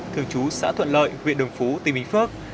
thường chú xã thuận lợi huyện đồng phú tỉnh bình phước